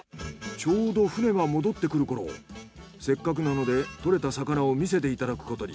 ちょうど船が戻ってくるころせっかくなので獲れた魚を見せていただくことに。